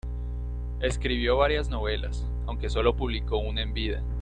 Escribió varias novelas, aunque sólo publicó una en vida.